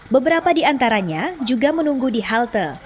beberapa di antaranya juga menunggu di halte